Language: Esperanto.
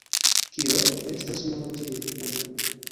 Kio? Estas muro tie. Bone.